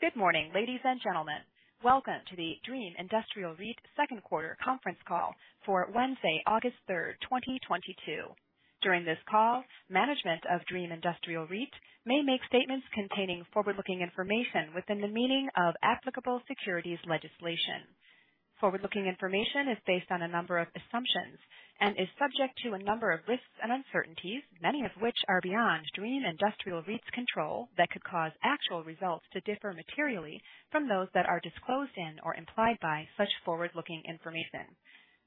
Good morning, ladies and gentlemen. Welcome to the Dream Industrial REIT’s Second Quarter Conference Call for Wednesday, August 3rd, 2022. During this call, management of Dream Industrial REIT may make statements containing forward-looking information within the meaning of applicable securities legislation. Forward-looking information is based on a number of assumptions and is subject to a number of risks and uncertainties, many of which are beyond Dream Industrial REIT's control, that could cause actual results to differ materially from those that are disclosed in or implied by such forward-looking information.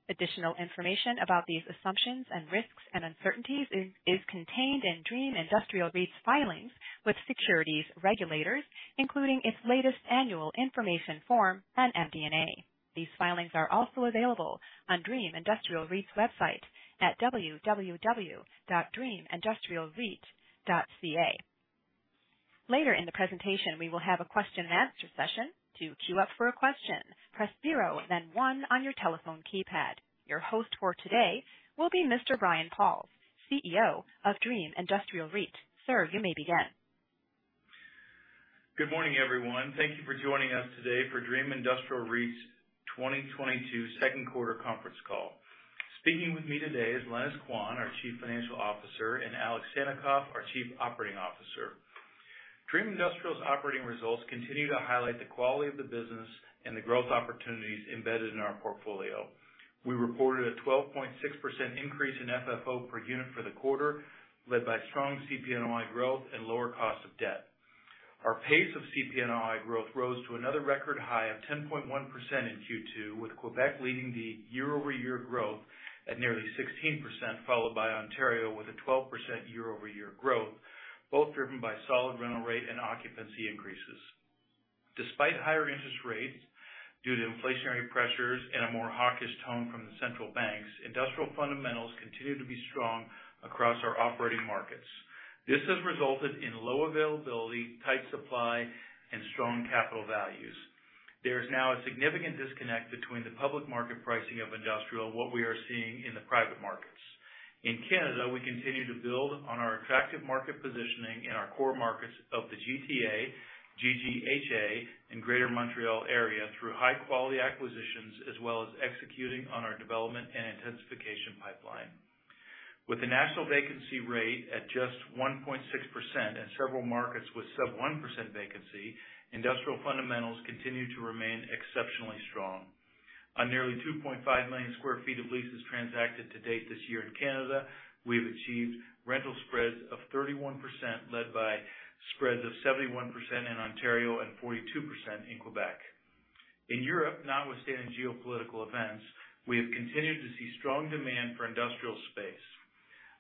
Additional information about these assumptions and risks and uncertainties is contained in Dream Industrial REIT's filings with securities regulators, including its latest annual information form and MD&A. These filings are also available on Dream Industrial REIT's website at www.dreamindustrialreit.ca. Later in the presentation, we will have a question and answer session. To queue up for a question, press zero, then one on your telephone keypad. Your host for today will be Mr. Brian Pauls, CEO of Dream Industrial REIT. Sir, you may begin. Good morning, everyone. Thank you for joining us today for Dream Industrial REIT's 2022 Second Quarter Conference Call. Speaking with me today is Lenis Quan, our Chief Financial Officer, and Alexander Sannikov, our Chief Operating Officer. Dream Industrial's operating results continue to highlight the quality of the business and the growth opportunities embedded in our portfolio. We reported a 12.6% increase in FFO per unit for the quarter, led by strong CPNOI growth and lower cost of debt. Our pace of CPNOI growth rose to another record high of 10.1% in Q2, with Quebec leading the year-over-year growth at nearly 16%, followed by Ontario with a 12% year-over-year growth, both driven by solid rental rate and occupancy increases. Despite higher interest rates due to inflationary pressures and a more hawkish tone from the central banks, industrial fundamentals continue to be strong across our operating markets. This has resulted in low availability, tight supply, and strong capital values. There is now a significant disconnect between the public market pricing of industrial and what we are seeing in the private markets. In Canada, we continue to build on our attractive market positioning in our core markets of the GTA, GTHA, and Greater Montreal Area through high-quality acquisitions, as well as executing on our development and intensification pipeline. With the national vacancy rate at just 1.6% and several markets with sub 1% vacancy, industrial fundamentals continue to remain exceptionally strong. On nearly 2.5 million sq ft of leases transacted to date this year in Canada, we have achieved rental spreads of 31%, led by spreads of 71% in Ontario and 42% in Quebec. In Europe, notwithstanding geopolitical events, we have continued to see strong demand for industrial space.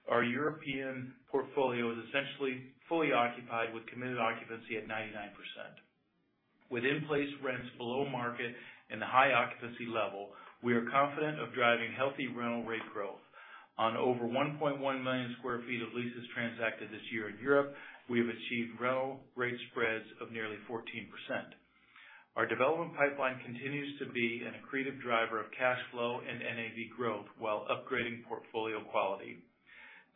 Our European portfolio is essentially fully occupied with committed occupancy at 99%. With in-place rents below market and the high occupancy level, we are confident of driving healthy rental rate growth. On over 1.1 million sq ft of leases transacted this year in Europe, we have achieved rental rate spreads of nearly 14%. Our development pipeline continues to be an accretive driver of cash flow and NAV growth while upgrading portfolio quality.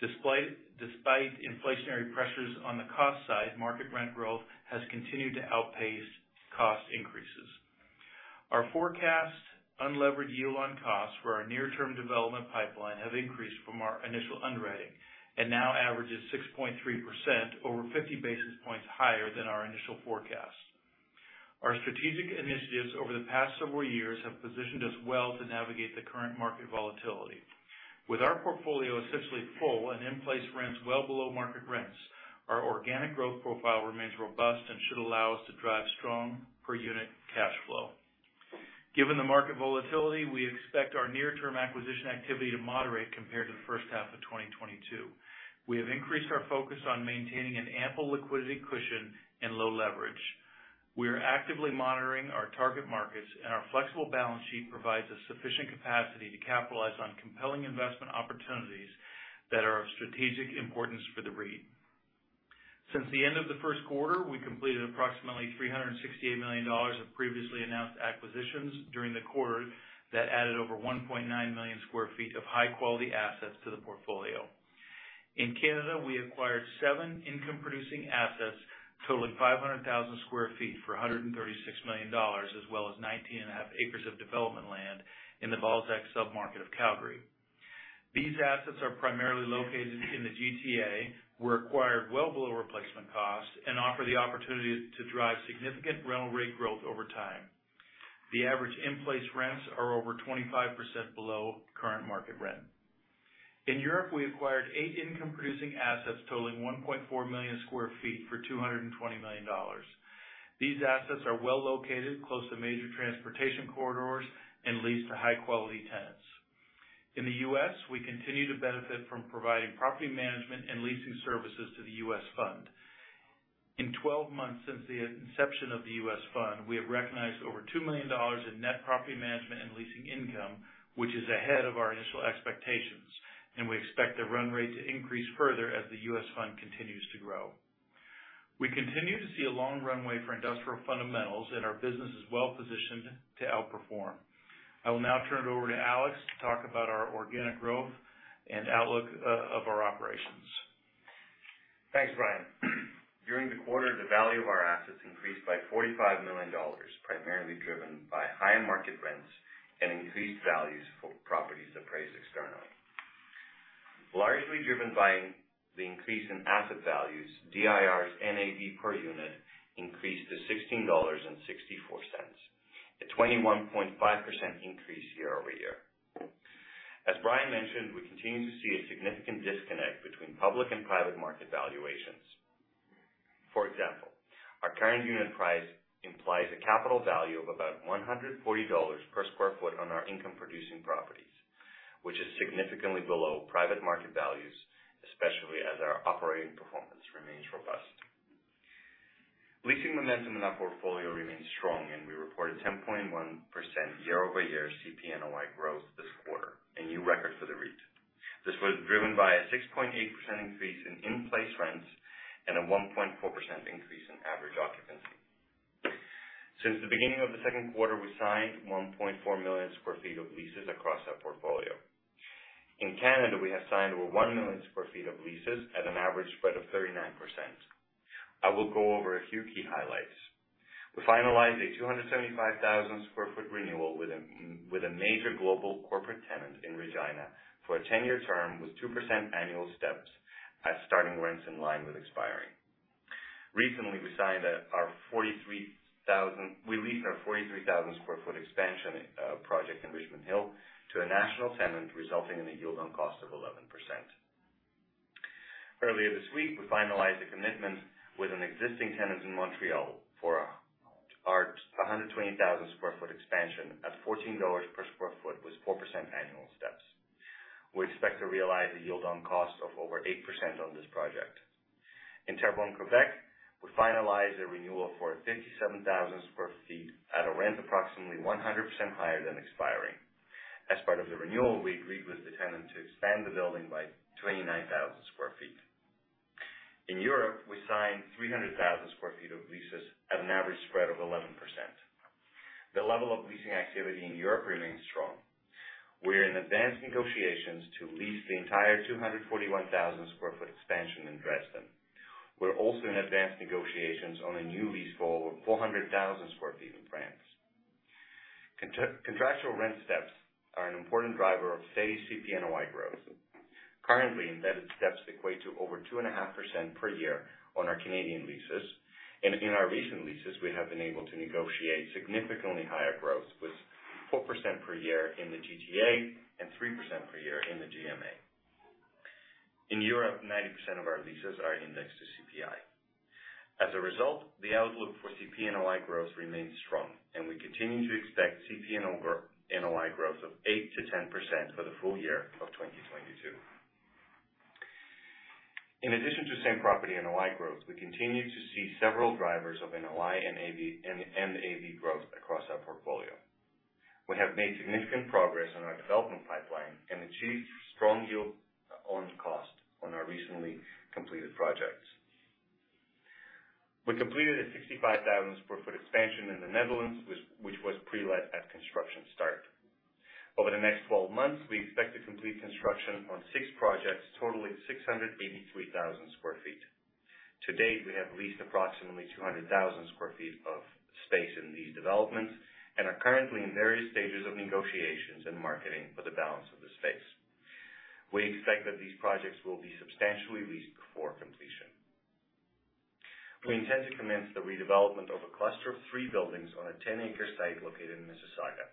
Despite inflationary pressures on the cost side, market rent growth has continued to outpace cost increases. Our forecast unlevered yield on costs for our near-term development pipeline have increased from our initial underwriting and now averages 6.3%, over 50 basis points higher than our initial forecast. Our strategic initiatives over the past several years have positioned us well to navigate the current market volatility. With our portfolio essentially full and in-place rents well below market rents, our organic growth profile remains robust and should allow us to drive strong per unit cash flow. Given the market volatility, we expect our near-term acquisition activity to moderate compared to the first half of 2022. We have increased our focus on maintaining an ample liquidity cushion and low leverage. We are actively monitoring our target markets, and our flexible balance sheet provides us sufficient capacity to capitalize on compelling investment opportunities that are of strategic importance for the REIT. Since the end of the first quarter, we completed approximately 368 million dollars of previously announced acquisitions during the quarter that added over 1.9 million sq ft of high-quality assets to the portfolio. In Canada, we acquired seven income-producing assets totaling 500,000 sq ft for 136 million dollars, as well as 19.5 acres of development land in the Balzac submarket of Calgary. These assets are primarily located in the GTA, were acquired well below replacement costs, and offer the opportunity to drive significant rental rate growth over time. The average in-place rents are over 25% below current market rent. In Europe, we acquired eight income-producing assets totaling 1.4 million sq ft for 220 million dollars. These assets are well-located close to major transportation corridors and leased to high-quality tenants. In the U.S., we continue to benefit from providing property management and leasing services to the U.S. fund. In 12 months since the inception of the U.S. fund, we have recognized over $2 million in net property management and leasing income, which is ahead of our initial expectations, and we expect the run rate to increase further as the U.S. fund continues to grow. We continue to see a long runway for industrial fundamentals, and our business is well positioned to outperform. I will now turn it over to Alex to talk about our organic growth and outlook of our operations. Thanks, Brian. During the quarter, the value of our assets increased by 45 million dollars, primarily driven by higher market rents and increased values for properties appraised externally. Largely driven by the increase in asset values, DIR's NAV per unit increased to 16.64 dollars, a 21.5% increase year-over-year. As Brian mentioned, we continue to see a significant disconnect between public and private market valuations. For example, our current unit price implies a capital value of about 140 dollars per sq ft on our income-producing properties, which is significantly below private market values, especially as our operating performance remains robust. Leasing momentum in our portfolio remains strong, and we reported 10.1% year-over-year CPNOI growth this quarter, a new record for the REIT. This was driven by a 6.8% increase in in-place rents and a 1.4% increase in average occupancy. Since the beginning of the second quarter, we signed 1.4 million sq ft of leases across our portfolio. In Canada, we have signed over one million sq ft of leases at an average spread of 39%. I will go over a few key highlights. We finalized a 275,000 sq ft renewal with a major global corporate tenant in Regina for a 10-year term with 2% annual steps at starting rents in line with expiring. Recently, we leased our 43,000 sq ft expansion project in Richmond Hill to a national tenant, resulting in a yield on cost of 11%. Earlier this week, we finalized a commitment with an existing tenant in Montreal for our 120,000 sq ft expansion at 14 dollars per sq ft with 4% annual steps. We expect to realize a yield on cost of over 8% on this project. In Terrebonne, Quebec, we finalized a renewal for 57,000 sq ft at a rent approximately 100% higher than expiring. As part of the renewal, we agreed with the tenant to expand the building by 29,000 sq ft. In Europe, we signed 300,000 sq ft of leases at an average spread of 11%. The level of leasing activity in Europe remains strong. We're in advanced negotiations to lease the entire 241,000 sq ft expansion in Dresden. We're also in advanced negotiations on a new lease for over 400,000 sq ft in France. Contractual rent steps are an important driver of steady CPNOI growth. Currently, embedded steps equate to over 2.5% per year on our Canadian leases. In our recent leases, we have been able to negotiate significantly higher growth with 4% per year in the GTA and 3% per year in the GMA. In Europe, 90% of our leases are indexed to CPI. As a result, the outlook for CPNOI growth remains strong, and we continue to expect CPNOI growth of 8%-10% for the full year of 2022. In addition to same-property NOI growth, we continue to see several drivers of NOI NAV growth across our portfolio. We have made significant progress on our development pipeline and achieved strong yield on cost on our recently completed projects. We completed a 65,000 sq ft expansion in the Netherlands, which was pre-let at construction start. Over the next 12 months, we expect to complete construction on six projects totaling 683,000 sq ft. To date, we have leased approximately 200,000 sq ft of space in these developments and are currently in various stages of negotiations and marketing for the balance of the space. We expect that these projects will be substantially leased before completion. We intend to commence the redevelopment of a cluster of three buildings on a 10-acre site located in Mississauga.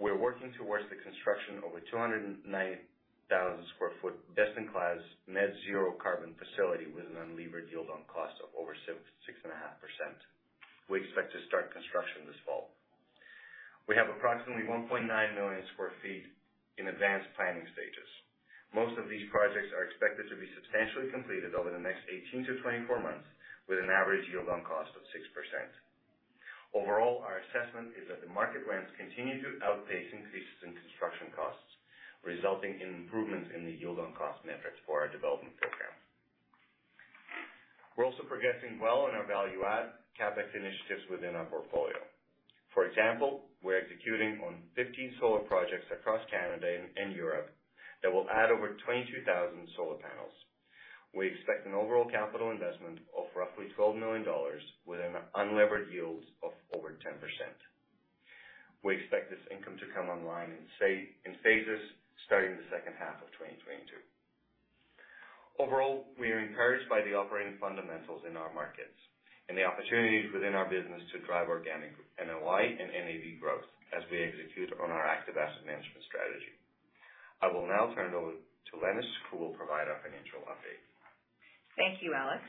We're working towards the construction of a 290,000 sq ft best-in-class net zero carbon facility with an unlevered yield on cost of over 6%-6.5%. We expect to start construction this fall. We have approximately 1.9 million sq ft in advanced planning stages. Most of these projects are expected to be substantially completed over the next 18–24 months, with an average yield on cost of 6%. Overall, our assessment is that the market rents continue to outpace increases in construction costs, resulting in improvements in the yield on cost metrics for our development program. We're also progressing well in our value add CapEx initiatives within our portfolio. For example, we're executing on 15 solar projects across Canada and Europe that will add over 22,000 solar panels. We expect an overall capital investment of roughly 12 million dollars with an unlevered yield of over 10%. We expect this income to come online in phases starting the second half of 2022. Overall, we are encouraged by the operating fundamentals in our markets and the opportunities within our business to drive organic NOI and NAV growth as we execute on our active asset management strategy. I will now turn it over to Lenis, who will provide our financial update. Thank you, Alex.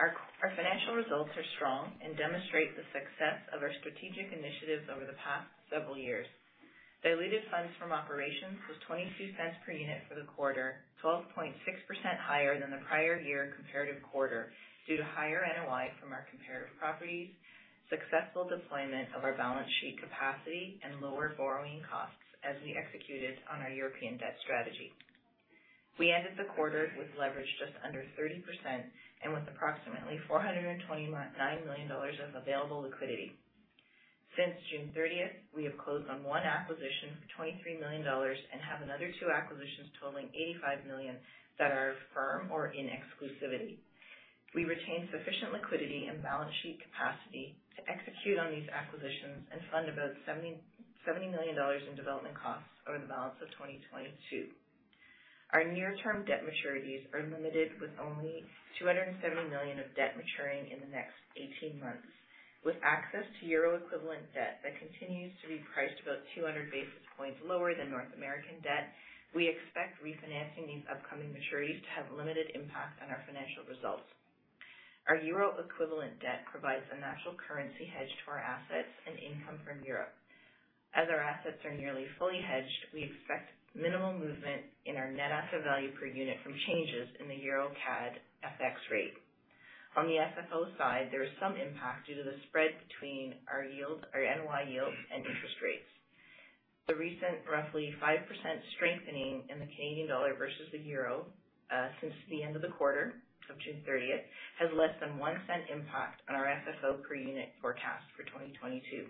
Our financial results are strong and demonstrate the success of our strategic initiatives over the past several years. Diluted funds from operations was 0.22 per unit for the quarter, 12.6% higher than the prior year comparative quarter due to higher NOI from our comparative properties, successful deployment of our balance sheet capacity, and lower borrowing costs as we executed on our European debt strategy. We ended the quarter with leverage just under 30% and with approximately 429 million dollars of available liquidity. Since June 30th, we have closed on one acquisition for 23 million dollars and have another two acquisitions totaling 85 million that are firm or in exclusivity. We retain sufficient liquidity and balance sheet capacity to execute on these acquisitions and fund about 70 million dollars in development costs over the balance of 2022. Our near-term debt maturities are limited, with only 270 million of debt maturing in the next 18 months. With access to euro-equivalent debt that continues to be priced about 200 basis points lower than North American debt, we expect refinancing these upcoming maturities to have limited impact on our financial results. Our euro-equivalent debt provides a natural currency hedge to our assets and income from Europe. As our assets are nearly fully hedged, we expect minimal movement in our net asset value per unit from changes in the euro-CAD FX rate. On the FFO side, there is some impact due to the spread between our yields, our NOI yields, and interest rates. The recent roughly 5% strengthening in the Canadian dollar versus the euro since the end of the quarter of June 30th has less than 0.01 impact on our FFO per unit forecast for 2022.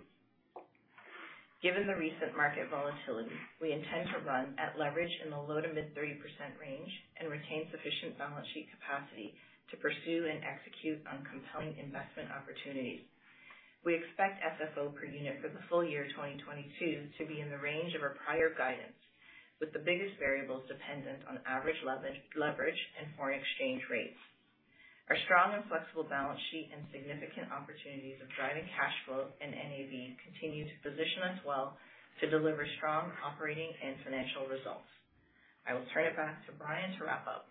Given the recent market volatility, we intend to run at leverage in the low to mid-30% range and retain sufficient balance sheet capacity to pursue and execute on compelling investment opportunities. We expect FFO per unit for the full year 2022 to be in the range of our prior guidance, with the biggest variables dependent on average leverage and foreign exchange rates. Our strong and flexible balance sheet and significant opportunities of driving cash flow and NAV continue to position us well to deliver strong operating and financial results. I will turn it back to Brian to wrap up.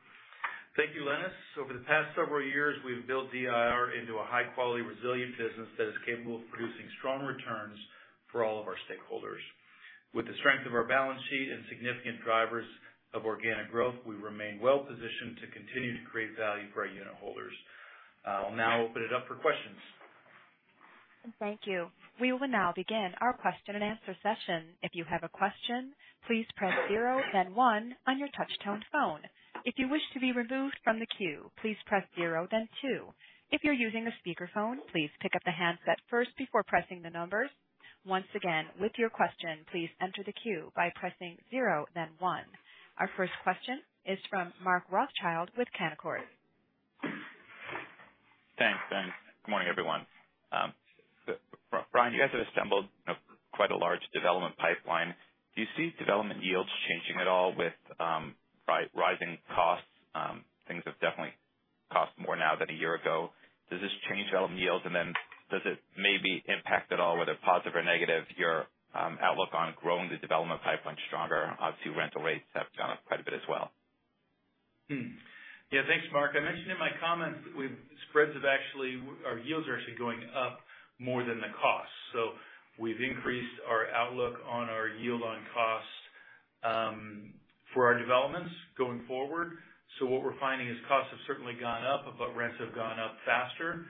Thank you, Lenis Quan. Over the past several years, we've built DIR.UN into a high-quality, resilient business that is capable of producing strong returns for all of our stakeholders. With the strength of our balance sheet and significant drivers of organic growth, we remain well positioned to continue to create value for our unitholders. I'll now open it up for questions. Thank you. We will now begin our question-and-answer session. If you have a question, please press zero, then one, on your touch-tone phone. If you wish to be removed from the queue, please press zero, then two. If you're using a speakerphone, please pick up the handset first before pressing the numbers. Once again, with your question, please enter the queue by pressing zero, then one. Our first question is from Mark Rothschild with Canaccord Genuity. Thanks. Good morning, everyone. Brian, you guys have assembled, you know, quite a large development pipeline. Do you see development yields changing at all with rising costs? Things have definitely cost more now than a year ago. Does this change development yields? Does it maybe impact at all, whether positive or negative, your outlook on growing the development pipeline stronger? Obviously, rental rates have gone up quite a bit as well. Yeah. Thanks, Mark. I mentioned in my comments. Our yields are actually going up more than the costs. We've increased our outlook on our yield on cost for our developments going forward. What we're finding is costs have certainly gone up, but rents have gone up faster.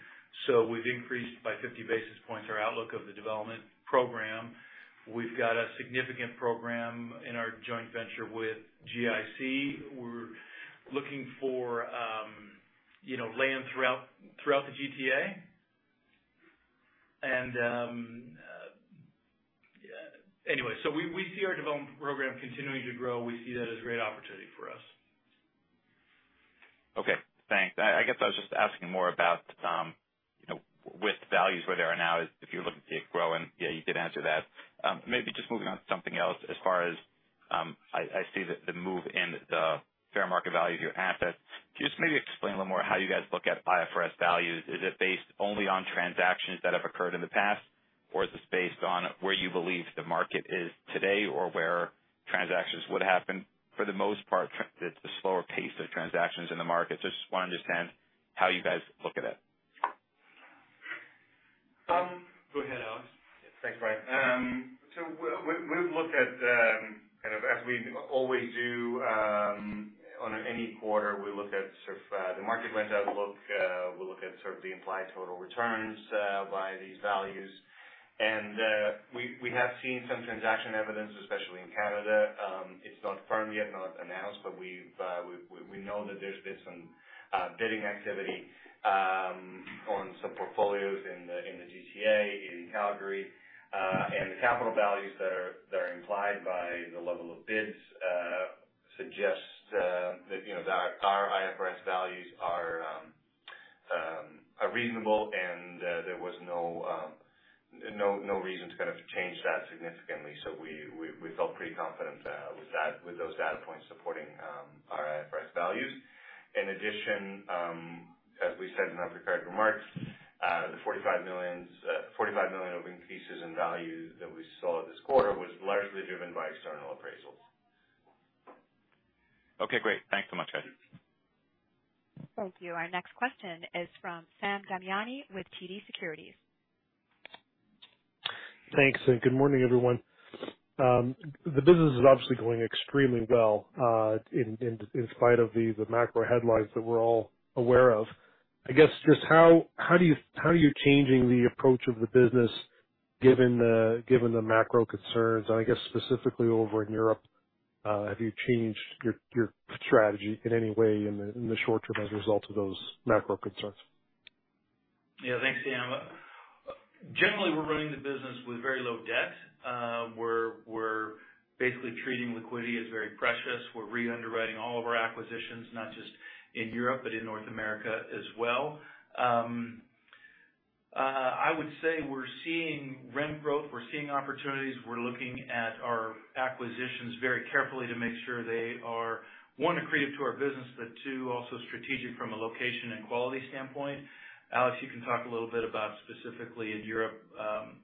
We've increased by 50 basis points our outlook of the development program. We've got a significant program in our joint venture with GIC. We're looking for you know land throughout the GTA. Anyway, we see our development program continuing to grow. We see that as a great opportunity for us. Okay, thanks. I guess I was just asking more about, you know, with values where they are now is if you're looking to grow and, yeah, you did answer that. Maybe just moving on to something else as far as, I see the move in the fair market value of your assets. Can you just maybe explain a little more how you guys look at IFRS values? Is it based only on transactions that have occurred in the past, or is this based on where you believe the market is today or where transactions would happen? For the most part, it's a slower pace of transactions in the market. So just wanna understand how you guys look at it. Go ahead, Alex. Thanks, Brian. So we've looked at, kind of as we always do, on any quarter, we look at sort of the market rent outlook. We look at sort of the implied total returns by these values. We have seen some transaction evidence, especially in Canada. It's not firm yet, not announced, but we know that there's been some bidding activity on some portfolios in the GTA, in Calgary. The capital values that are implied by the level of bids suggest that, you know, that our IFRS values are reasonable and there was no reason to kind of change that significantly. We felt pretty confident with that, with those data points supporting our IFRS values. In addition, as we said in our prepared remarks, the 45 million of increases in value that we saw this quarter was largely driven by external appraisals. Okay, great. Thanks so much, guys. Thank you. Our next question is from Sam Damiani with TD Securities. Thanks, and good morning, everyone. The business is obviously going extremely well in spite of the macro headlines that we're all aware of. I guess, just how are you changing the approach of the business given the macro concerns, and I guess specifically, over in Europe, have you changed your strategy in any way in the short term as a result of those macro concerns? Yeah. Thanks, Sam. Generally, we're running the business with very low debt. We're basically treating liquidity as very precious. We're re-underwriting all of our acquisitions, not just in Europe, but in North America as well. I would say we're seeing rent growth, we're seeing opportunities. We're looking at our acquisitions very carefully to make sure they are, one, accretive to our business, but two, also strategic from a location and quality standpoint. Alex, you can talk a little bit about specifically in Europe,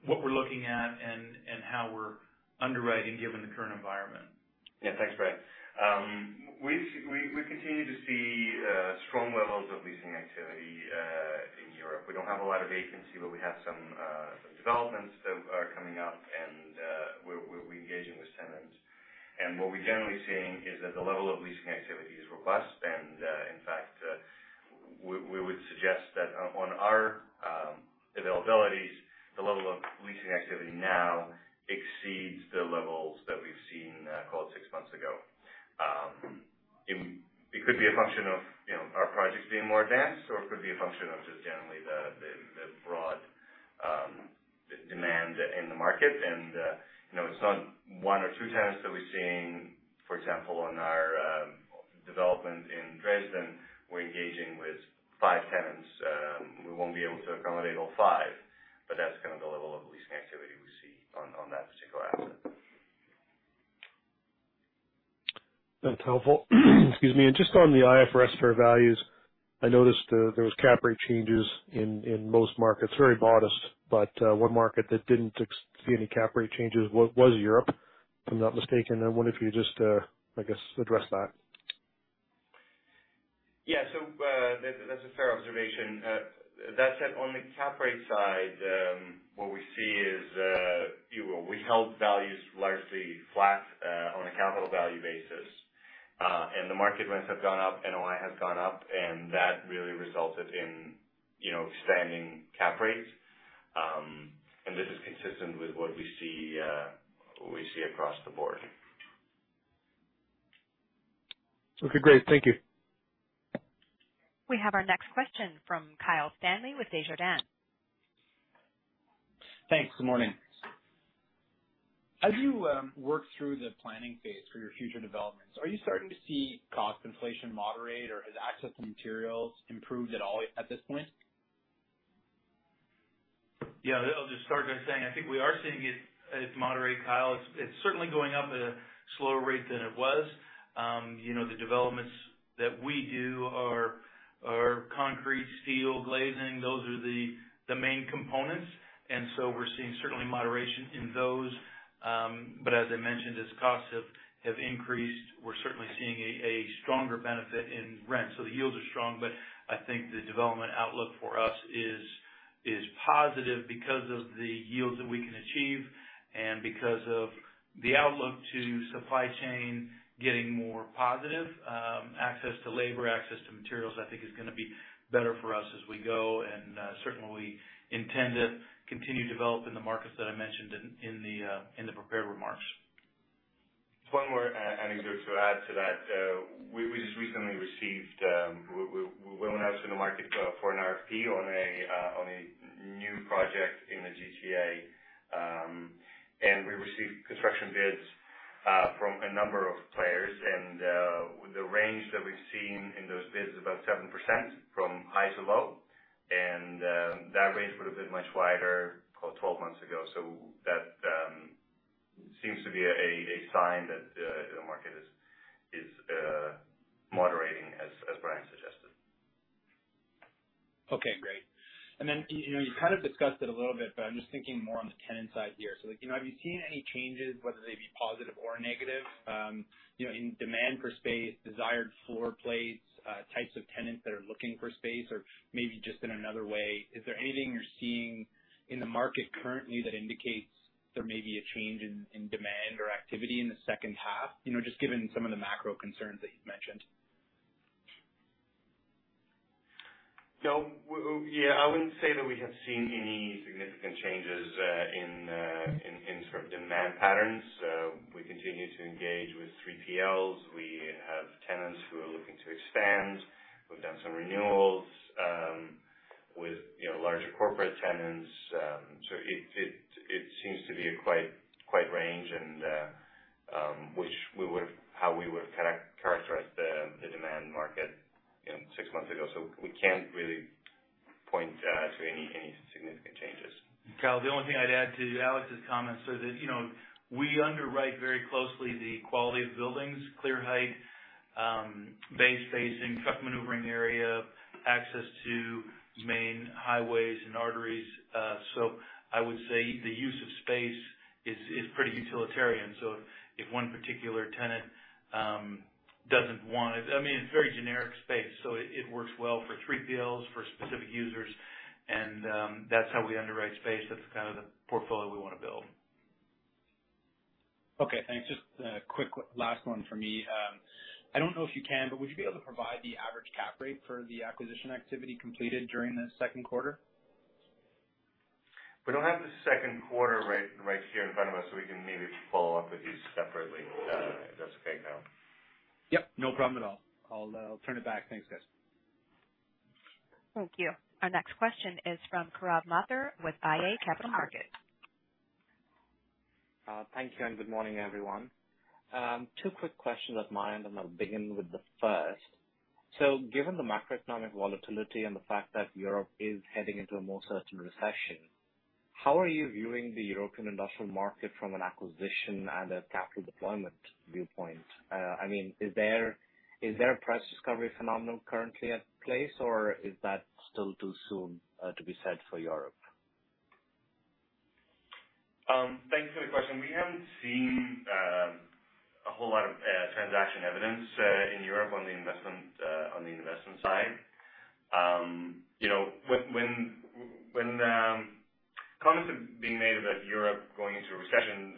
what we're looking at and how we're underwriting given the current environment. Yeah. Thanks, Brian. We continue to see strong levels of leasing activity in Europe. We don't have a lot of vacancy, but we have some developments that are coming up, and we're reengaging with tenants. What we're generally seeing is that the level of leasing activity is robust, and in fact, we would suggest that on our availabilities, the level of leasing activity now exceeds the levels that we've seen, call it six months ago. It could be a function of, you know, our projects being more advanced, or it could be a function of just generally the broad demand in the market. You know, it's not one or two tenants that we're seeing. For example, on our development in Dresden, we're engaging with five tenants. We won't be able to accommodate all five, but that's kind of the level of leasing activity we see on that particular asset. That's helpful. Excuse me. Just on the IFRS fair values, I noticed, there was cap rate changes in most markets, very modest, but, one market that didn't see any cap rate changes was Europe, if I'm not mistaken. I wonder if you just, I guess, address that. Yeah, that's a fair observation. That said, on the cap rate side, what we see is, you know, we held values largely flat on a capital value basis. The market rents have gone up, NOI has gone up, and that really resulted in, you know, expanding cap rates. This is consistent with what we see across the board. Okay, great. Thank you. We have our next question from Kyle Stanley with Desjardins. Thanks. Good morning. As you work through the planning phase for your future developments, are you starting to see cost inflation moderate, or has access to materials improved at all at this point? Yeah. I'll just start by saying I think we are seeing it moderate, Kyle. It's certainly going up at a slower rate than it was. You know, the developments that we do are concrete, steel, glazing. Those are the main components. We're seeing certainly moderation in those. As I mentioned, as costs have increased, we're certainly seeing a stronger benefit in rent. The yields are strong, but I think the development outlook for us is positive because of the yields that we can achieve and because of the outlook to supply chain getting more positive. Access to labor, access to materials, I think is gonna be better for us as we go. Certainly we intend to continue developing the markets that I mentioned in the prepared remarks. One more anecdote to add to that. We just recently went out to the market for an RFP on a new project in the GTA. We received construction bids from a number of players. The range that we've seen in those bids is about 7% from high to low. That range would've been much wider, call it 12 months ago. That seems to be a sign that the market is moderating as Brian suggested. Okay, great. Then, you know, you kind of discussed it a little bit, but I'm just thinking more on the tenant side here. Like, you know, have you seen any changes, whether they be positive or negative, you know, in demand for space, desired floor plates, types of tenants that are looking for space or maybe just in another way? Is there anything you're seeing in the market currently that indicates there may be a change in demand or activity in the second half, you know, just given some of the macro concerns that you've mentioned? No. Yeah, I wouldn't say that we have seen any significant changes in sort of demand patterns. We continue to engage with 3PLs. We have tenants who are looking to expand. We've done some renewals with, you know, larger corporate tenants. It seems to be quite a range and how we would've characterized the demand market, you know, six months ago. We can't really point to any significant changes. Kyle, the only thing I'd add to Alex's comments are that, you know, we underwrite very closely the quality of buildings, clear height, bay spacing, truck maneuvering area, access to main highways and arteries. I would say the use of space is pretty utilitarian. If one particular tenant doesn't want it, I mean, it's very generic space, so it works well for 3PLs, for specific users, and that's how we underwrite space. That's kind of the portfolio we wanna build. Okay, thanks. Just a quick last one for me. I don't know if you can, but would you be able to provide the average cap rate for the acquisition activity completed during the second quarter? We don't have the second quarter right here in front of us, so we can maybe follow up with you separately, if that's okay, Kyle. Yep, no problem at all. I'll turn it back. Thanks, guys. Thank you. Our next question is from Gaurav Mathur with iA Capital Markets. Thank you, and good morning, everyone. Two quick questions on my end, and I'll begin with the first. Given the macroeconomic volatility and the fact that Europe is heading into a more certain recession, how are you viewing the European industrial market from an acquisition and a capital deployment viewpoint? I mean, is there a price discovery phenomenon currently in place, or is that still too soon to be said for Europe? Thank you for the question. We haven't seen a whole lot of transaction evidence in Europe on the investment side. You know, when comments are being made about Europe going into a recession,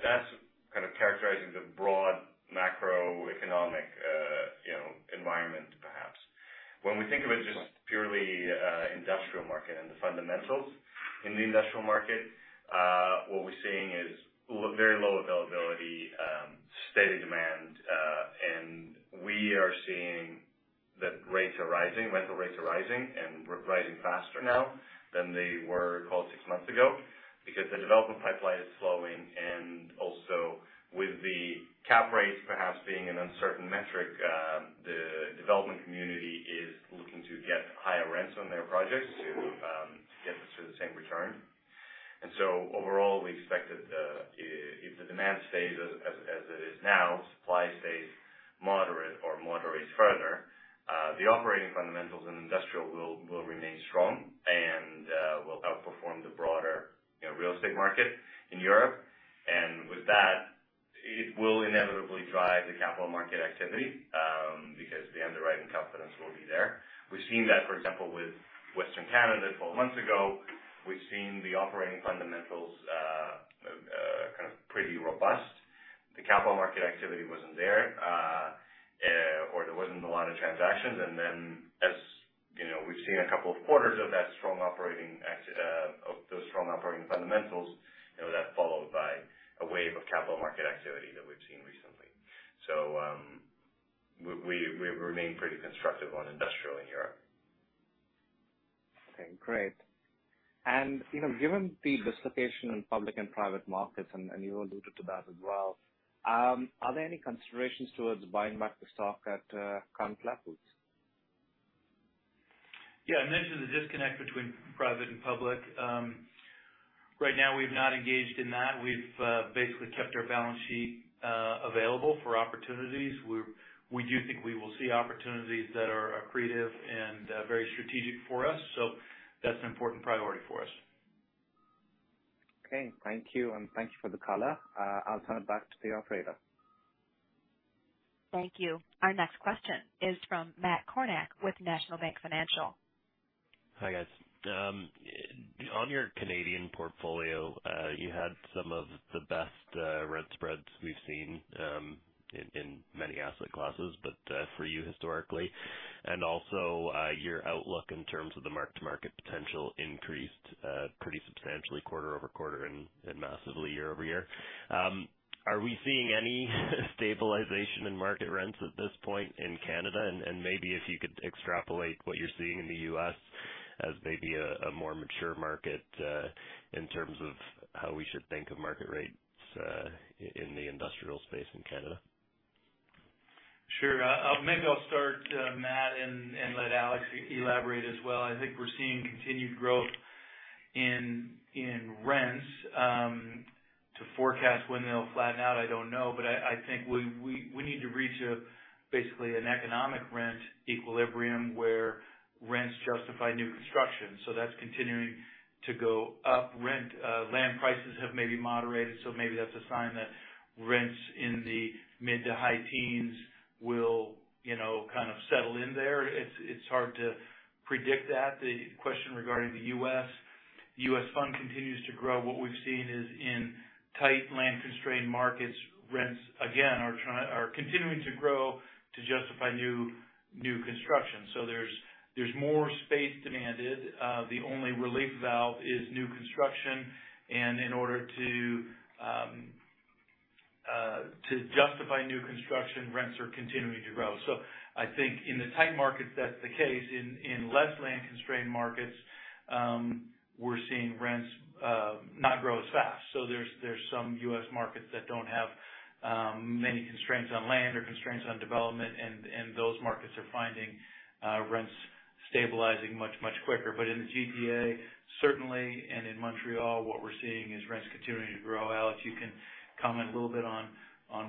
that's kind of characterizing the broad macroeconomic environment, perhaps. When we think of it as just purely industrial market and the fundamentals. In the industrial market, what we're seeing is very low availability, steady demand, and we are seeing that rental rates are rising and rising faster now than they were call it six months ago, because the development pipeline is slowing, and also with the cap rates perhaps being an uncertain metric, the development community is looking to get higher rents on their projects to get the same return. Overall, we expect that if the demand stays as it is now, supply stays moderate or moderates further, the operating fundamentals in industrial will remain strong and will outperform the broader, you know, real estate market in Europe. With that, it will inevitably drive the capital market activity, because the underwriting confidence will be there. We've seen that, for example, with Western Canada, 12 months ago. We've seen the operating fundamentals kind of pretty robust. The capital market activity wasn't there, or there wasn't a lot of transactions. As you know, we've seen a couple of quarters of that of those strong operating fundamentals, you know, that followed by a wave of capital market activity that we've seen recently. We remain pretty constructive on industrial in Europe. Okay, great. You know, given the dislocation in public and private markets, and you all alluded to that as well, are there any considerations towards buying back the stock at current levels? Yeah. I mentioned the disconnect between private and public. Right now, we've not engaged in that. We've basically kept our balance sheet available for opportunities. We do think we will see opportunities that are accretive and very strategic for us, so that's an important priority for us. Okay. Thank you. Thank you for the color. I'll turn it back to your operator. Thank you. Our next question is from Matt Kornack with National Bank Financial. Hi, guys. On your Canadian portfolio, you had some of the best rent spreads we've seen in many asset classes, but for you historically, and also your outlook in terms of the mark-to-market potential increased pretty substantially quarter-over-quarter and massively year-over-year. Are we seeing any stabilization in market rents at this point in Canada? Maybe if you could extrapolate what you're seeing in the U.S. as maybe a more mature market in terms of how we should think of market rates in the industrial space in Canada? Sure. Maybe I'll start, Matt and let Alex elaborate as well. I think we're seeing continued growth in rents. To forecast when they'll flatten out, I don't know. I think we need to reach basically an economic rent equilibrium where rents justify new construction. That's continuing to go up. Land prices have maybe moderated, so maybe that's a sign that rents in the mid to high teens will, you know, kind of settle in there. It's hard to predict that. The question regarding the U.S. fund continues to grow. What we've seen is in tight land-constrained markets, rents again are continuing to grow to justify new construction. So there's more space demanded. The only relief valve is new construction. In order to justify new construction, rents are continuing to grow. I think in the tight markets, that's the case. In less land-constrained markets, we're seeing rents not grow as fast. There's some U.S. markets that don't have many constraints on land or constraints on development and those markets are finding rents stabilizing much quicker. But in the GTA, certainly and in Montreal, what we're seeing is rents continuing to grow. Alex, you can comment a little bit on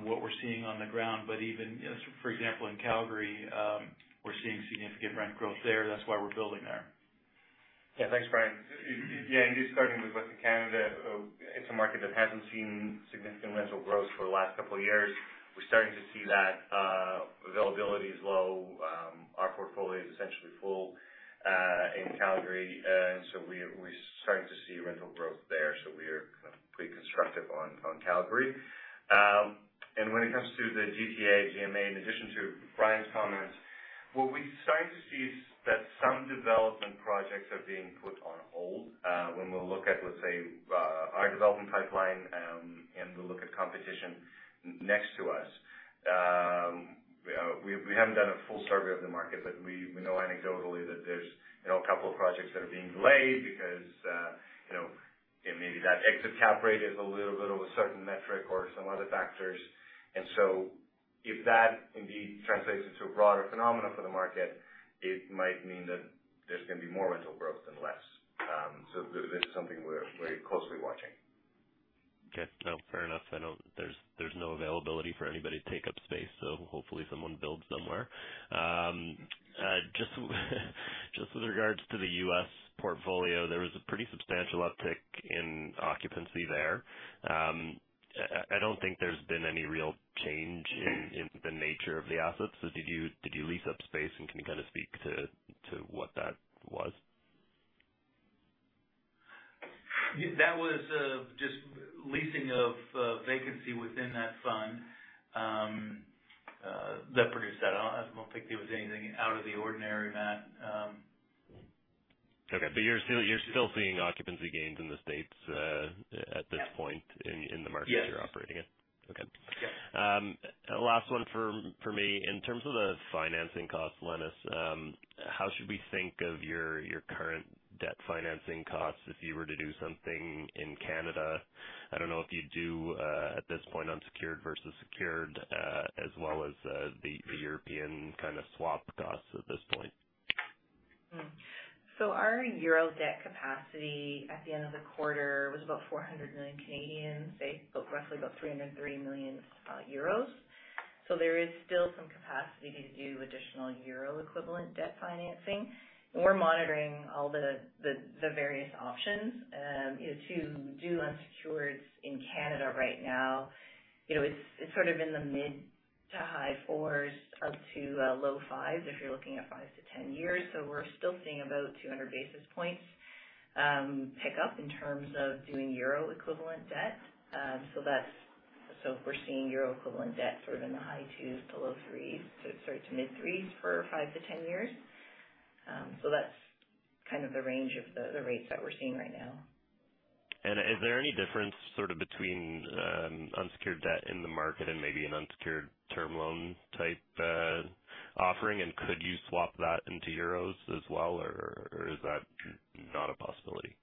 what we're seeing on the ground. But even, you know, for example, in Calgary, we're seeing significant rent growth there. That's why we're building there. Yeah. Thanks, Brian. Yeah, just starting with Western Canada, it's a market that hasn't seen significant rental growth for the last couple of years. We're starting to see that availability is low. Our portfolio is essentially full in Calgary. We're starting to see rental growth there, so we are kind of pretty constructive on Calgary. When it comes to the GTA, GMA, in addition to Brian's comments, what we're starting to see is that some development projects are being put on hold. When we look at, let's say, our development pipeline and we look at competition next to us. We haven't done a full survey of the market, but we know anecdotally that there's, you know, a couple of projects that are being delayed because, you know, maybe that exit cap rate is a little bit over certain metric or some other factors. And so if that indeed translates into a broader phenomenon for the market, it might mean that there's gonna be more rental growth than less. That's something we're closely watching. Okay. No, fair enough. I know there's no availability for anybody to take up space, so hopefully someone builds somewhere. Just with regards to the U.S. portfolio, there was a pretty substantial uptick in occupancy there. I don't think there's been any real change in the nature of the assets. Did you lease up space, and can you kind of speak to what that was? That was just leasing of vacancy within that fund that produced that. I don't think there was anything out of the ordinary, Matt. Okay. You're still seeing occupancy gains in the States, at this point in the markets you're operating in? Yes. Okay. Yeah. Last one for me. In terms of the financing costs, Lenis, how should we think of your current debt financing costs if you were to do something in Canada? I don't know if you do at this point, unsecured versus secured, as well as the European kind of swap costs at this point. Our euro debt capacity at the end of the quarter was about 400 million, say roughly about 303 million euros. There is still some capacity to do additional euro equivalent debt financing. We're monitoring all the various options. To do unsecureds in Canada right now, you know, it's sort of in the mid- to high-4% up to low-5% if you're looking at five to 10 years. We're still seeing about 200 basis points pick up in terms of doing euro equivalent debt. If we're seeing euro equivalent debt sort of in the high-2% to low-3%, to mid-3 for five to 10 years. That's kind of the range of the rates that we're seeing right now. Is there any difference sort of between unsecured debt in the market and maybe an unsecured term loan type offering? Could you swap that into euros as well or is that not a possibility?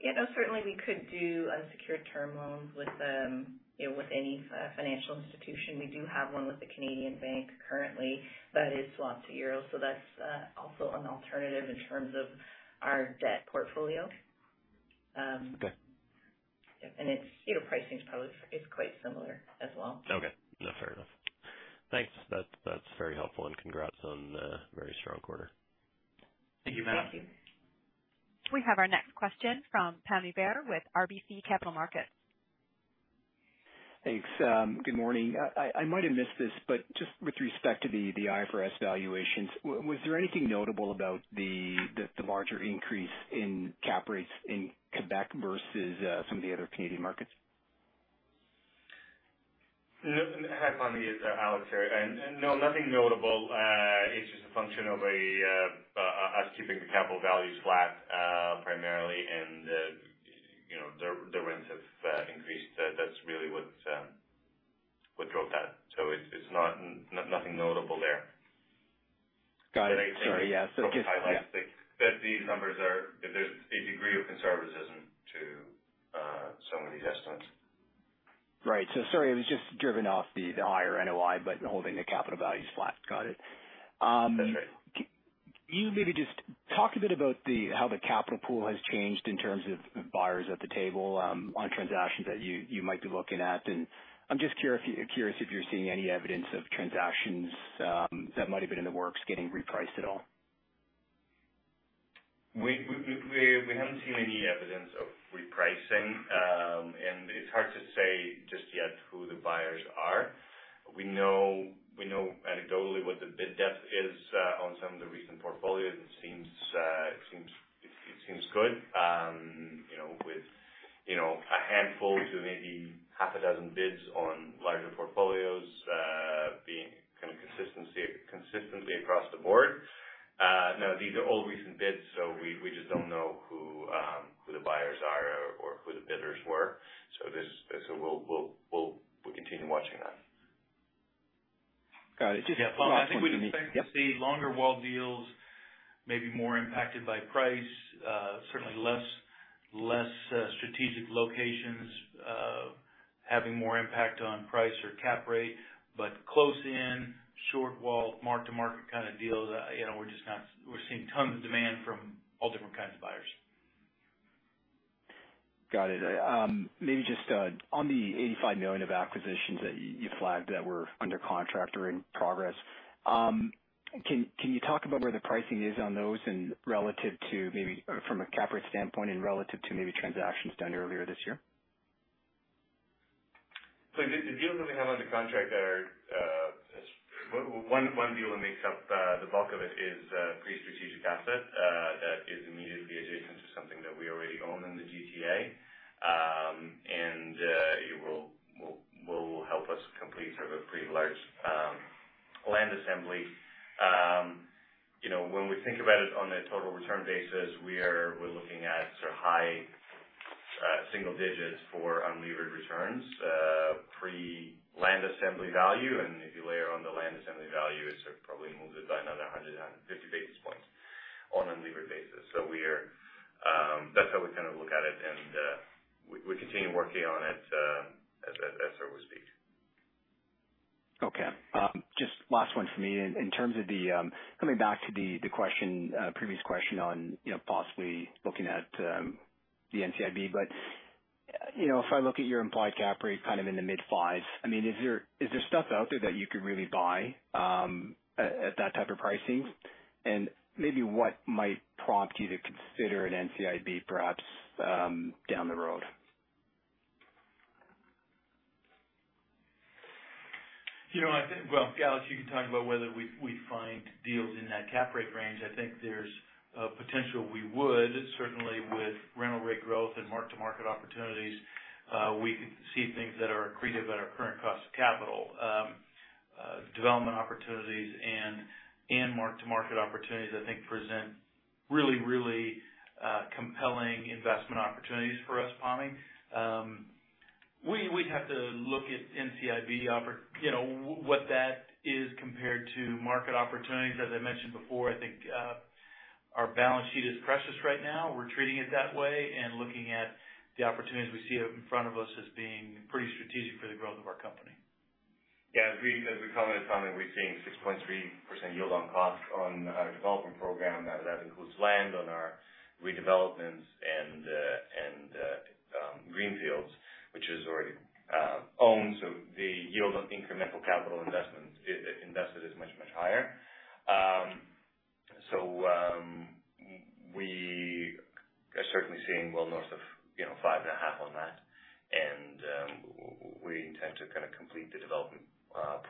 You know, certainly, we could do unsecured term loans with, you know, with any financial institution. We do have one with a Canadian bank currently that is swapped to euro. That's also an alternative in terms of our debt portfolio. Okay. It's, you know, pricing is quite similar as well. Okay. No, fair enough. Thanks. That's very helpful and congrats on a very strong quarter. Thank you, Matt. Thank you. We have our next question from Pammi Bir with RBC Capital Markets. Thanks. Good morning. I might have missed this, but just with respect to the IFRS valuations, was there anything notable about the larger increase in cap rates in Quebec versus some of the other Canadian markets? Hi, Pammi. It's Alex here. No, nothing notable. It's just a function of us keeping the capital values flat, primarily. You know, the rents have increased. That's really what drove that. So it's not nothing notable there. Got it. Sorry. Yeah. The only thing I would probably highlight. Yeah. There's a degree of conservatism to some of these estimates. Right. Sorry, it was just driven off the higher NOI, but holding the capital values flat. Got it. That's right. Can you maybe just talk a bit about the, how the capital pool has changed in terms of buyers at the table, on transactions that you might be looking at? I'm just curious if you're seeing any evidence of transactions, that might have been in the works getting repriced at all. We haven't seen any evidence of repricing. It's hard to say just yet who the buyers are. We know anecdotally what the bid depth is on some of the recent portfolios. It seems good, you know, with a handful to maybe half a dozen bids on larger portfolios, being kind of consistently across the board. Now, these are all recent bids, so we just don't know who the buyers are or who the bidders were. There's. We'll continue watching that. Got it. Yeah. Pammi, I think we'd expect to see longer wall deals, maybe more impacted by price, certainly, less strategic locations having more impact on price or cap rate. But close in, short walled, mark-to-market kind of deals, you know, we're seeing tons of demand from all different kinds of buyers. Got it. Maybe just on the 85 million of acquisitions that you flagged that were under contract or in progress, can you talk about where the pricing is on those and relative to maybe from a cap rate standpoint and relative to maybe transactions done earlier this year? The deals that we have under contract are one deal that makes up the bulk of it is a pretty strategic asset that is immediately adjacent to something that we already own in the GTA. It will help us complete sort of a pretty large land assembly. You know, when we think about it on a total return basis, we're looking at sort of high single digits for unlevered returns pre-land assembly value. If you layer on the land assembly value, it sort of probably moves it by another 150 basis points on unlevered basis. That's how we kind of look at it. We continue working on it as we speak. Okay. Just last one for me. In terms of coming back to the previous question on, you know, possibly looking at the NCIB. You know, if I look at your implied cap rate kind of in the mid-fives, I mean, is there stuff out there that you could really buy at that type of pricing? Maybe what might prompt you to consider an NCIB perhaps down the road? You know, I think. Well, Alex, you can talk about whether we find deals in that cap rate range. I think there's a potential we would certainly with rental rate growth and mark-to-market opportunities, we could see things that are accretive at our current cost of capital. Development opportunities and mark-to-market opportunities, I think present really compelling investment opportunities for us, Pammi. We'd have to look at NCIB opportunities—you know, what that is compared to market opportunities. As I mentioned before, I think, our balance sheet is precious right now. We're treating it that way and looking at the opportunities we see out in front of us as being pretty strategic for the growth of our company. Yeah. I agree. As we commented, Pammi, we're seeing 6.3% yield on costs on our development program. That includes land on our redevelopments and greenfields, which is already owned. The yield on incremental capital investments invested is much higher. We are certainly seeing well north of, you know, 5.5% on that. We intend to kind of complete the development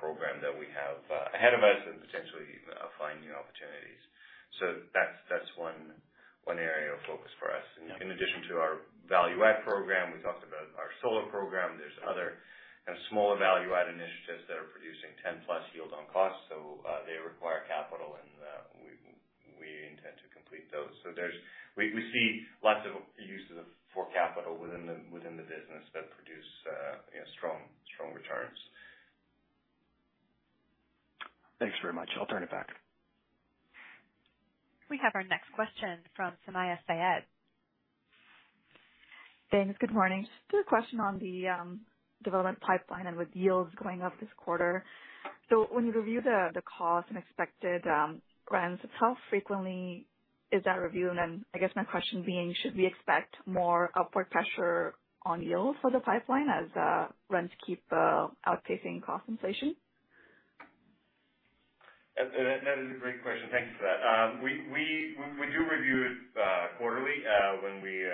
program that we have ahead of us and potentially even find new opportunities. That's one area of focus for us. In addition to our value add program, we talked about our solar program. There's other kind of smaller value add initiatives that are producing 10+% yield on cost. They require capital and we intend to complete those. We see lots of uses for capital within the business that produce you know strong returns. Thanks very much. I'll turn it back. We have our next question from Sumayya Syed. Thanks. Good morning. Just a question on the development pipeline and with yields going up this quarter. When you review the cost and expected rents, how frequently is that reviewed? I guess my question being, should we expect more upward pressure on yields for the pipeline as rents keep outpacing cost inflation? That is a great question. Thank you for that. We do review it quarterly when we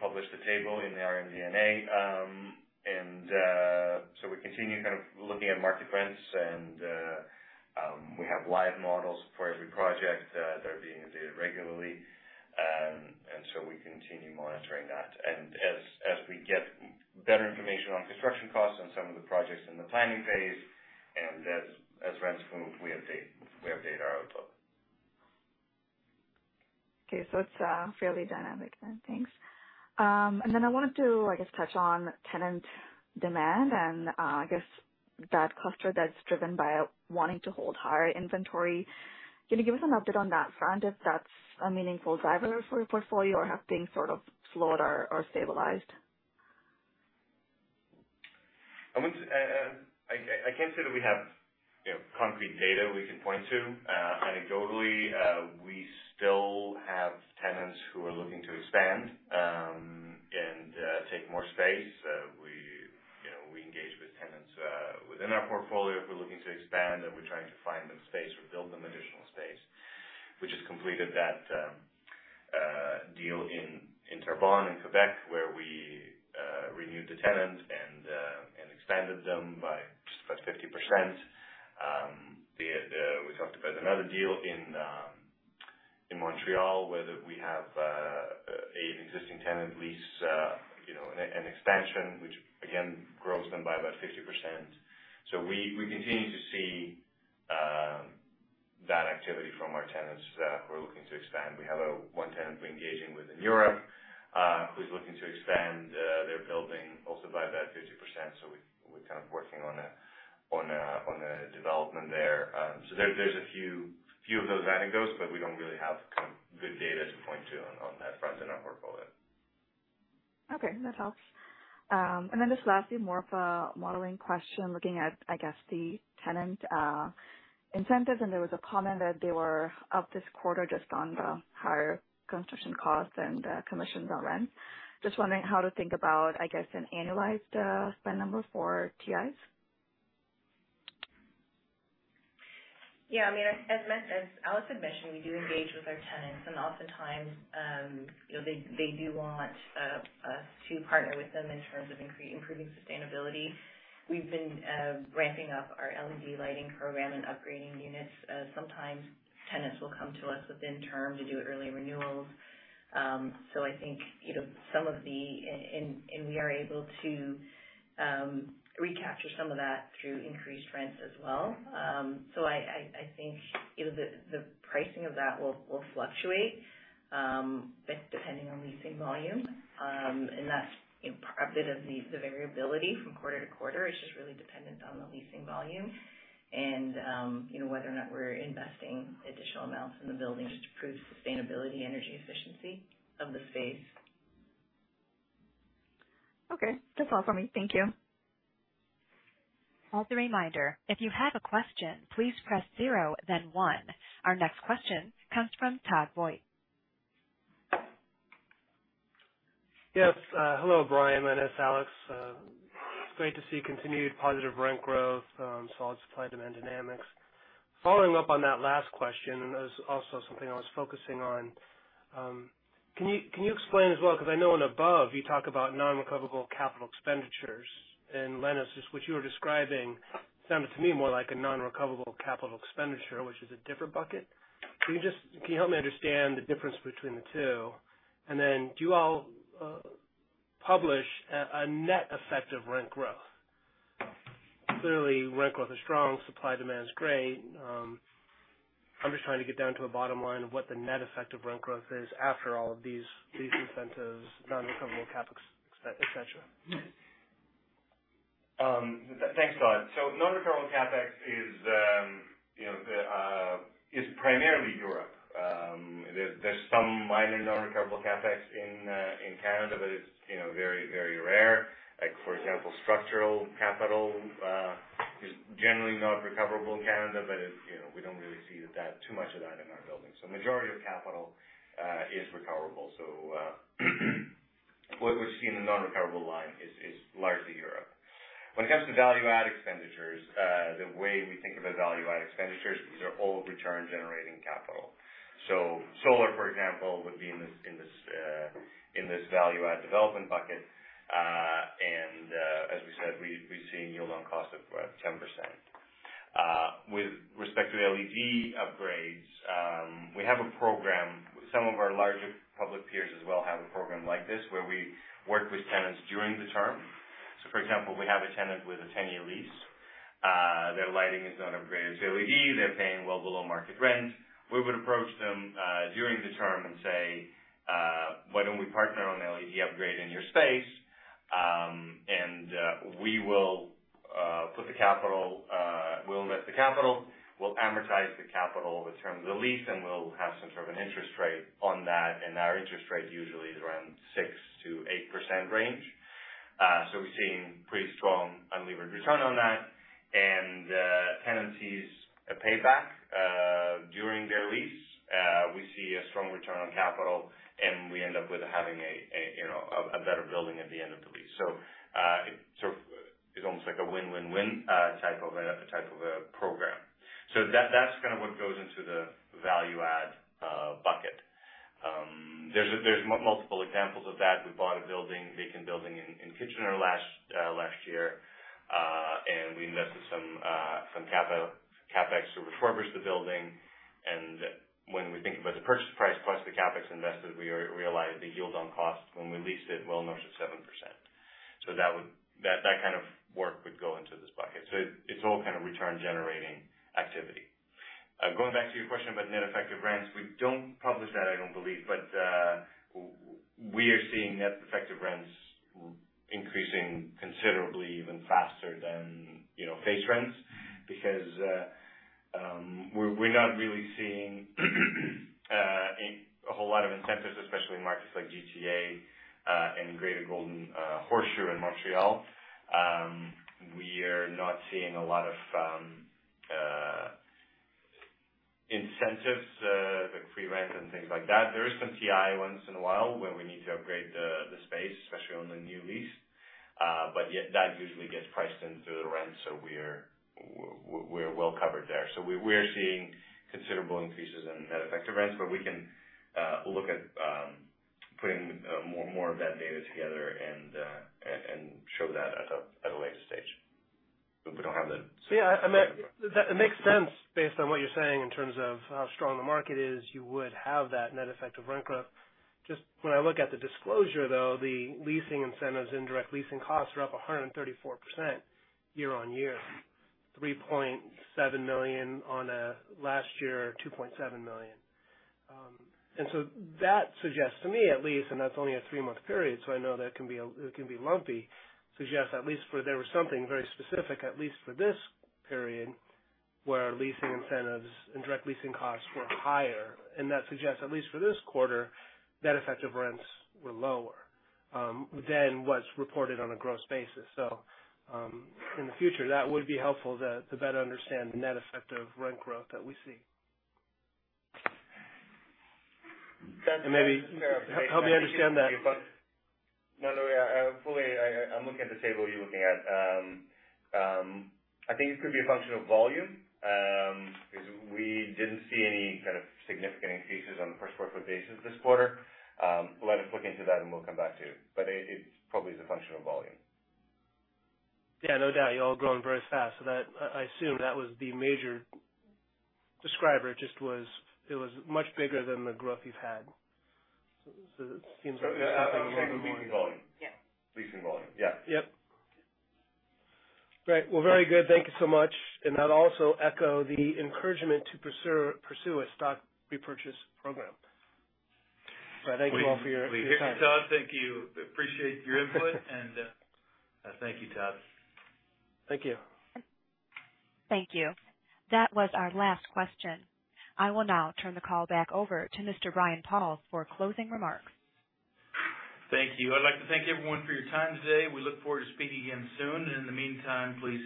publish the table in our MD&A. We continue kind of looking at market rents and we have live models for every project that are being updated regularly. We continue monitoring that. As we get better information on construction costs on some of the projects in the planning phase, and as rents move, we update our outlook. Okay. It's fairly dynamic then. Thanks. I wanted to, I guess, touch on tenant demand and, I guess, that cluster that's driven by wanting to hold higher inventory. Can you give us an update on that front, if that's a meaningful driver for your portfolio or have things sort of slowed or stabilized? I can't say that we have, you know, concrete data we can point to. Anecdotally, we still have tenants who are looking to expand and take more space. We, you know, we engage with tenants within our portfolio who are looking to expand, and we're trying to find them space or build them additional space. We just completed that deal in Terrebonne in Quebec, where we renewed the tenant and expanded them by about 50%. We talked about another deal in Montreal, where we have an existing tenant lease, you know, an expansion which again grows them by about 50%. We continue to see that activity from our tenants who are looking to expand. We have one tenant we're engaging with in Europe, who's looking to expand their building also by about 50%. We're kind of working on a development there. There's a few of those anecdotes, but we don't really have good data to point to on that front in our portfolio. Okay. That helps. Just lastly, more of a modeling question, looking at, I guess, the tenant incentives, and there was a comment that they were up this quarter just on the higher construction costs and commissions on rent. Just wondering how to think about, I guess, an annualized spend number for TIs? Yeah. I mean, as Matt says, Alex's admission, we do engage with our tenants, and oftentimes, you know, they do want us to partner with them in terms of improving sustainability. We've been ramping up our LED lighting program and upgrading units. Sometimes tenants will come to us within term to do early renewals. I think, you know, some of the, and we are able to recapture some of that through increased rents as well. I think, you know, the pricing of that will fluctuate depending on leasing volume. That's, you know, part of the variability from quarter-to-quarter is just really dependent on the leasing volume and, you know, whether or not we're investing additional amounts in the building to improve sustainability, energy efficiency of the space. Okay. That's all for me. Thank you. As a reminder, if you have a question, please press zero then one. Our next question comes from Todd Voigt. Yes. Hello, Brian and Alex. It's great to see continued positive rent growth, solid supply-demand dynamics. Following up on that last question, and it was also something I was focusing on, can you explain as well, because I know in above, you talk about non-recoverable capital expenditures, and, Lenis, just what you were describing sounded to me more like a non-recoverable capital expenditure, which is a different bucket. Can you help me understand the difference between the two? Do you all publish a net effect of rent growth? Clearly, rent growth is strong, supply demand is great. I'm just trying to get down to a bottom line of what the net effect of rent growth is after all of these incentives, non-recoverable CapEx, et cetera. Thanks, Todd. Non-recoverable CapEx is primarily Europe. There's some minor non-recoverable CapEx in Canada, but it's very rare. Like, for example, structural capital is generally not recoverable in Canada, but we don't really see that too much in our buildings. Majority of capital is recoverable. What we see in the non-recoverable line is largely Europe. When it comes to value add expenditures, the way we think about value add expenditures, these are all return-generating capital. Solar, for example, would be in this value add development bucket. As we said, we're seeing yield on cost of 10%. With respect to the LED upgrades, we have a program. Some of our larger public peers as well have a program like this where we work with tenants during the term. For example, we have a tenant with a 10-year lease. Their lighting is not upgraded to LED. They're paying well below market rent. We would approach them during the term and say, "Why don't we partner on the LED upgrade in your space? And we will put the capital, we'll invest the capital, we'll amortize the capital with terms of the lease, and we'll have some sort of an interest rate on that." Our interest rate usually is around 6%-8% range. We're seeing pretty strong unlevered return on that. Tenancy is a payback during their lease. We see a strong return on capital, and we end up with having a, you know, a better building at the end of the lease. Sort of is almost like a win-win-win type of a program. That's kind of what goes into the value add bucket. There's multiple examples of that. We bought a vacant building in Kitchener last year. We invested some CapEx to refurbish the building. When we think about the purchase price plus the CapEx invested, we realized the yield on cost when we leased it well north of 7%. That kind of work would go into this bucket. It's all kind of return-generating activity. Going back to your question about net effective rents, we don't publish that, I don't believe. We are seeing net effective rents increasing considerably even faster than, you know, face rents because we're not really seeing a whole lot of incentives, especially in markets like GTA and Greater Golden Horseshoe, in Montreal. We are not seeing a lot of incentives like free rent and things like that. There is some TI once in a while where we need to upgrade the space, especially on the new lease. That usually gets priced into the rent, so we're well covered there. We're seeing considerable increases in net effective rents, but we can look at putting more of that data together and show that at a later stage. We don't have the. Yeah, I mean, that makes sense based on what you're saying in terms of how strong the market is. You would have that net effect of rent growth. Just when I look at the disclosure, though, the leasing incentives, indirect leasing costs are up 134% year-over-year, 3.7 million on, last year, 2.7 million. That suggests to me at least, and that's only a three-month period, so I know that can be it can be lumpy. Suggests at least that there was something very specific, at least for this period, where leasing incentives and direct leasing costs were higher. That suggests, at least for this quarter, net effective rents were lower, than what's reported on a gross basis.In the future, that would be helpful to better understand the net effect of rent growth that we see. That maybe- Help me understand that. By the way, I'm looking at the same way you're looking at. I think it could be a function of volume, because we didn't see any kind of significant increases on the per square foot basis this quarter. Let us look into that and we'll come back to you. It probably is a function of volume. Yeah, no doubt. You all grown very fast. I assume that was the major driver. It just was much bigger than the growth you've had. It seems like Yeah, I would say leasing volume. Yeah. Leasing volume. Yeah. Yep. Great. Well, very good. Thank you so much. I'd also echo the encouragement to pursue a stock repurchase program. Thank you all for your time. Thank you, Todd. Thank you. Appreciate your input. Thank you, Todd. Thank you. Thank you. That was our last question. I will now turn the call back over to Mr. Brian Pauls for closing remarks. Thank you. I'd like to thank everyone for your time today. We look forward to speaking again soon. In the meantime, please,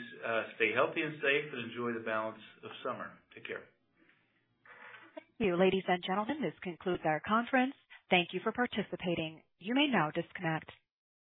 stay healthy and safe and enjoy the balance of summer. Take care. Thank you. Ladies and gentlemen, this concludes our conference. Thank you for participating. You may now disconnect.